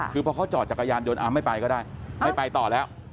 คือพอเขาจอดจักรยานยนต์ไม่ไปก็ได้ไม่ไปต่อแล้ว